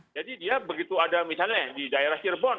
jadi dia begitu ada misalnya di daerah cirebon